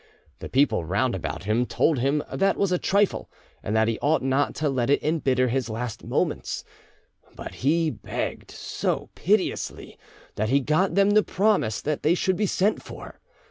The people round about him told him that was a trifle, and that he ought not to let it embitter his last moments, but he begged so piteously that he got them to promise that they should be sent for.